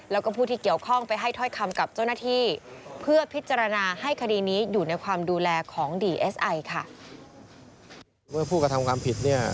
แล้วก็ผู้ที่เกี่ยวข้องไปให้ถ้อยคำกับเจ้าหน้าที่